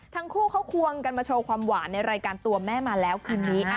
ทั้งคู่เขาควงกันมาโชว์ความหวานในรายการตัวแม่มาแล้วคืนนี้